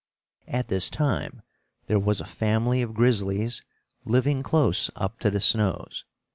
At this time, there was a family of grizzlies living close up to the snows.